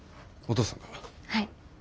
はい。